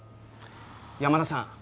山田さん